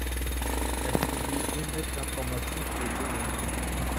Elle publie une lettre d'information tous les deux mois.